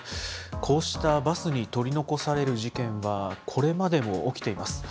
こうしたバスに取り残される事件はこれまでも起きています。